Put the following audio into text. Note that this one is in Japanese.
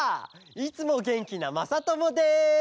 いつもげんきなまさともです！